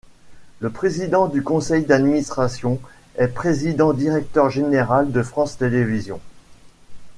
Le président du conseil d'administration est le président-directeur général de France Télévisions.